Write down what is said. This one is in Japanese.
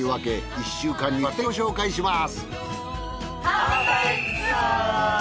１週間にわたってご紹介します。